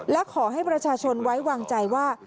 และขอให้ประชาชนไว้วางใจว่า